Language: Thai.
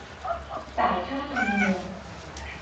จ่ายค่าธรรมเนียม